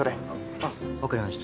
あっ分かりました。